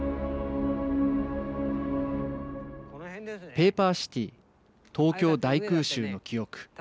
ペーパーシティ東京大空襲の記憶。